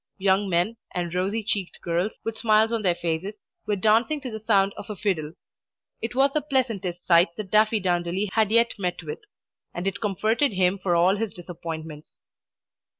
Young men and rosy cheeked girls, with smiles on their faces, were dancing to the sound of a fiddle. It was the pleasantest sight that Daffydowndilly had yet met with, and it comforted him for all his disappointments.